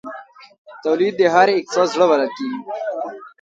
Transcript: تولید د هر اقتصاد زړه بلل کېږي.